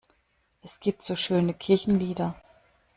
Es gibt so schöne Kirchenlieder!